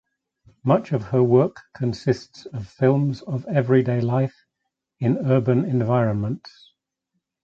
Much of her work consists of films of everyday life in urban environments.